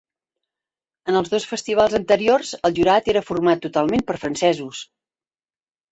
En els dos festivals anteriors, el jurat era format totalment per francesos.